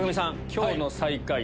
今日の最下位